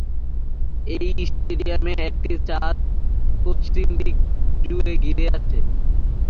এই স্টেডিয়ামে একটি ছাদ পশ্চিম দিক জুড়ে ঘিরে আছে।